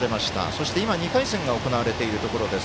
そして、今、２回戦が行われているところです。